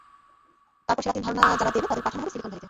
তারপর সেরা তিন ধারণা যারা দেবে, তাদের পাঠানো হবে সিলিকন ভ্যালিতে।